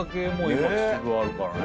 今秩父あるからね。